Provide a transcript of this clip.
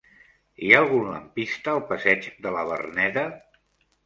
Hi ha algun lampista al passeig de la Verneda?